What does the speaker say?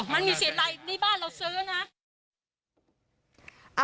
มันมีเสียบรายในบ้านเราซื้อนะ